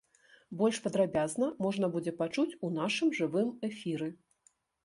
Больш падрабязна можна будзе пачуць у нашым жывым эфіры.